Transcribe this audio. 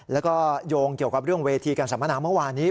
แล้วก็โยงเกี่ยวกับเรื่องเวทีการสัมมนาเมื่อวานนี้